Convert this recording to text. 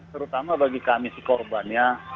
terutama bagi kami si korbannya